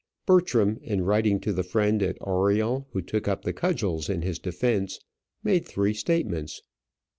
Bertram, in writing to the friend at Oriel who took up the cudgels in his defence, made three statements.